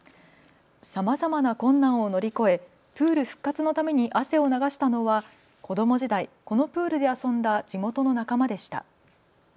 さまざまな困難を乗り越えプール復活のために汗を流したのは子ども時代、このプールで遊んだ地元の仲間でした。